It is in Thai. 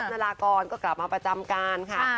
อาทิตย์ก็กลับมาประจำกันค่ะ